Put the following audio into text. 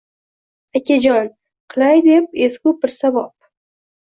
«Akajon, qilay deb ezgu bir savob…